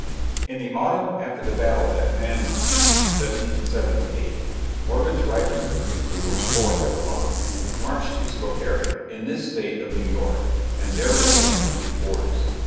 In the autumn after the battle at Monmouth, (1778,) Morgan's riflemen, to which corps I belonged, marched to Schoharie, in this state of New York, and there went into winter quarters.